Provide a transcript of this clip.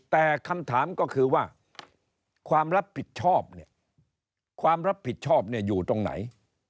แต่คำถามก็คือว่าความรับผิดชอบเนี่ยความรับผิดชอบเนี่ยอยู่ตรงไหน